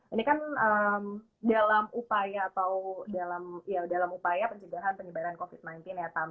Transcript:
ini kan dalam upaya penyebaran covid sembilan belas ya tamu